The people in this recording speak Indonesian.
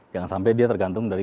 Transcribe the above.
jangan sampai dia tergantung dari